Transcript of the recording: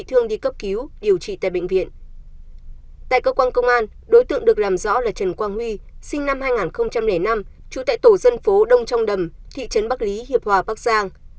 tại cơ quan công an đối tượng được làm rõ là trần quang huy sinh năm hai nghìn năm trú tại tổ dân phố đông trong đầm thị trấn bắc lý hiệp hòa bắc giang